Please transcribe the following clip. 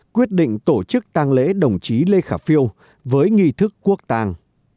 quyết định tổ chức tang lễ đồng chí lê khả phiêu với nghi thức quốc tang